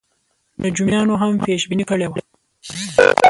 نجومیانو هم پېش بیني کړې وه.